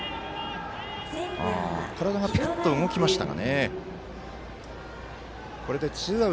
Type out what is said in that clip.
体がぴくっと動きましたが。